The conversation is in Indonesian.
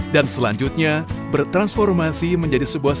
dan selanjutnya bertransformasi menjadi sebuah